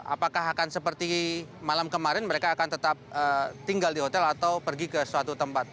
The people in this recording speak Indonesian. apakah akan seperti malam kemarin mereka akan tetap tinggal di hotel atau pergi ke suatu tempat